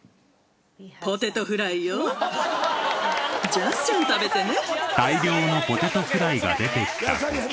じゃんじゃん食べてね！